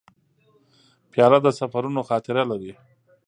پیاله د سفرونو خاطره لري.